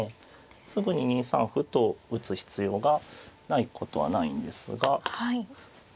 すぐに２三歩と打つ必要がないことはないんですが